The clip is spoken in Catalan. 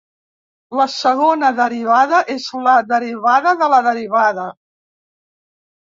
La segona derivada és la derivada de la derivada.